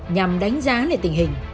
nhằm đánh giá lại tình hình